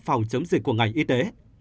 phòng chống dịch của ngành y tế